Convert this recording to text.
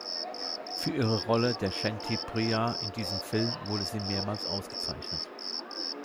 Für ihre Rolle der "Shanti-Priya" in diesem Film wurde sie mehrmals ausgezeichnet.